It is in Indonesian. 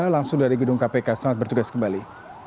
langsung dari gedung kpk selamat bertugas kembali